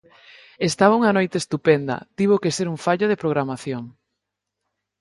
Estaba unha noite estupenda, tivo que ser un fallo de programación.